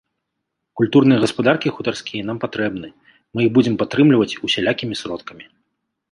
Культурныя гаспадаркі хутарскія нам патрэбны, мы іх будзем падтрымліваць усялякімі сродкамі!